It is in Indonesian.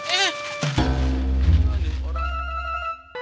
dikasih aja pak haji daripada dibuangkan mubazir